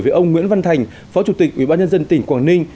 với ông nguyễn văn thành phó chủ tịch ubnd tỉnh quảng ninh